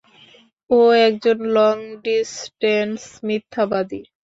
ও একজন লং-ডিস্টেন্স মিথ্যাবাদী!